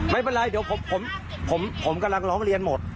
ไม่เป็นไรเดี๋ยวผมกำลังร้องเรียนหมด